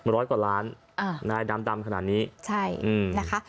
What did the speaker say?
ร้อยกว่าล้านอ่านายดำดำขนาดนี้ใช่อืมนะคะ